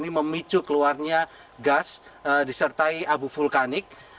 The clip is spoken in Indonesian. ini memicu keluarnya gas disertai abu vulkanik